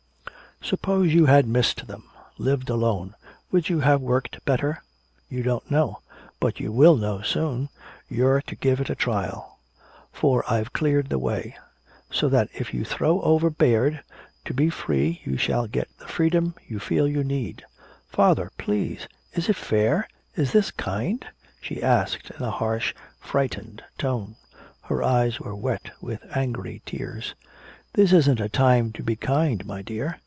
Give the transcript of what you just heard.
Suppose you had missed them, lived alone, would you have worked better? You don't know. But you will know soon, you're to give it a trial. For I've cleared the way so that if you throw over Baird to be free you shall get the freedom you feel you need!" "Father! Please! Is this fair? Is this kind?" She asked in a harsh frightened tone. Her eyes were wet with angry tears. "This isn't a time to be kind, my dear."